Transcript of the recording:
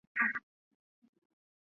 浙江兰溪县人。